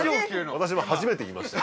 ◆私も初めて言いました。